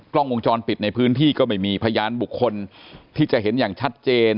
กล้องวงจรปิดในพื้นที่ก็ไม่มีพยานบุคคลที่จะเห็นอย่างชัดเจน